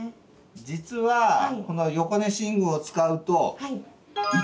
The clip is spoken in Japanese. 実はこの横寝寝具を使うと１．８％です。